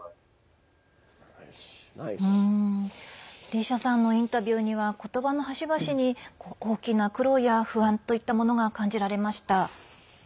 レイシャさんのインタビューにはことばの端々に大きな苦労や不安といったものが感じられました。